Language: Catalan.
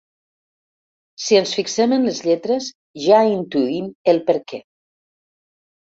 Si ens fixem en les lletres ja intuïm el perquè.